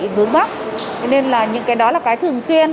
cái vướng mắt của doanh nghiệp là những cái hàng mà lần đầu tiên họ nhập